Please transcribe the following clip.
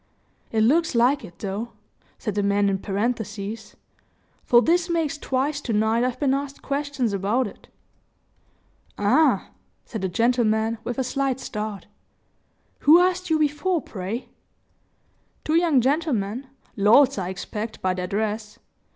It looks like it, though," said the man in parenthesis; "for this makes twice to night I've been asked questions about it." "Ah!" said the gentleman, with a slight start. "Who asked you before, pray?" "Two young gentlemen; lords, I expect, by their dress.